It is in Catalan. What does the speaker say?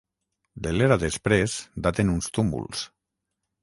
De l'era després daten uns túmuls.